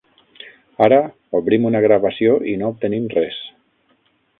Ara, obrim una gravació i no obtenim res.